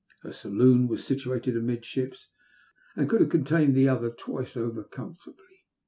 Her saloon was situated amidships, and could have contained the other twice over com fortably.